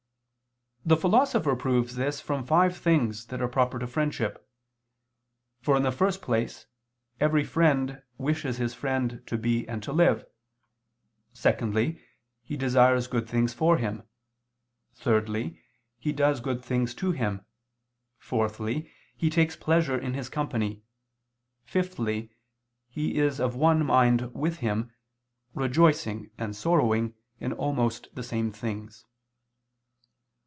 The Philosopher proves this from five things that are proper to friendship. For in the first place, every friend wishes his friend to be and to live; secondly, he desires good things for him; thirdly, he does good things to him; fourthly, he takes pleasure in his company; fifthly, he is of one mind with him, rejoicing and sorrowing in almost the same things.